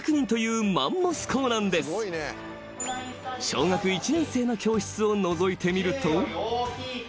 ［小学１年生の教室をのぞいてみると］